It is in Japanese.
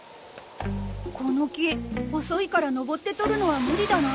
この木細いから登って取るのは無理だな。